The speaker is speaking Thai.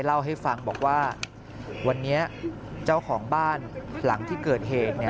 เล่าให้ฟังบอกว่าวันนี้เจ้าของบ้านหลังที่เกิดเหตุ